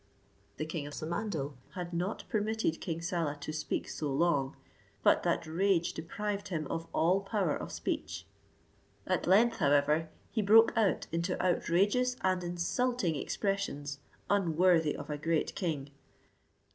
The king of Samandal had not permitted King Saleh to speak so long, but that rage deprived him of all power of speech. At length, however, he broke out into outrageous and insulting expressions, unworthy of a great king.